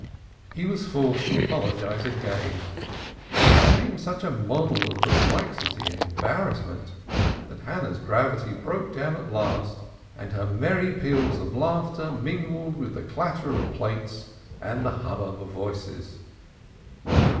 He was forced to apologize again and became such a model of perplexity and embarrassment that Hannah's gravity broke down at last and her merry peal of laughter mingled with the clatter of plates and the hubbub of voices.